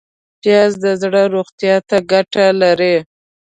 پیاز د زړه روغتیا ته ګټه لري